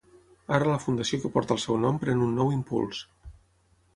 Ara la Fundació que porta el seu nom pren un nou impuls.